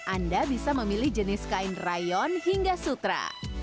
anda bisa memilih jenis kain rayon hingga sutra